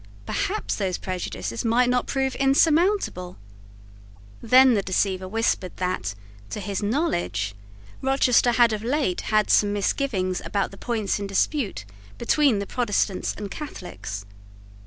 Perhaps those prejudices might not prove insurmountable. Then the deceiver whispered that, to his knowledge, Rochester had of late had some misgivings about the points in dispute between the Protestants and Catholics.